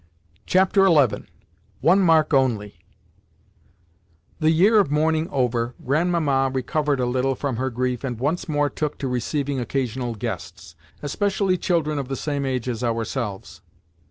XI. ONE MARK ONLY The year of mourning over, Grandmamma recovered a little from her grief, and once more took to receiving occasional guests, especially children of the same age as ourselves.